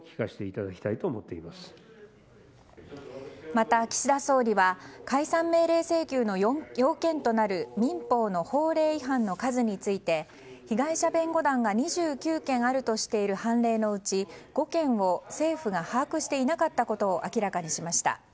また、岸田総理は解散命令請求の要件となる民法の法令違反の数について被害者弁護団が２９件あるとしている判例のうち５件を政府が把握していなかったことを明らかにしました。